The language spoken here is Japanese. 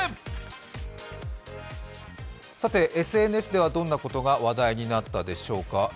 ＳＮＳではどんなことが話題になったでしょうか。